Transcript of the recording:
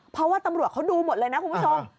เพราะว่าตำรวจเขาดูหมดเลยนะคุณผู้ชม